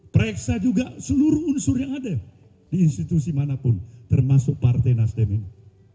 pereksa juga seluruh unsur yang ada di institusi manapun termasuk partai nasdem ini